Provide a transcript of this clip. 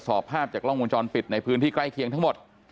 ภาพจากกล้องวงจรปิดในพื้นที่ใกล้เคียงทั้งหมด